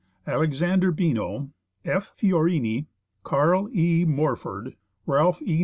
Alexander Beno, F. Fiorini, Carl E. Morford, Ralph E.